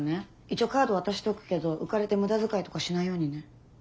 一応カード渡しとくけど浮かれて無駄遣いとかしないようにね。